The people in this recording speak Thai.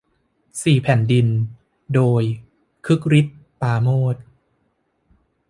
สี่แผ่นดิน โดย คึกฤทธิ์ ปราโมช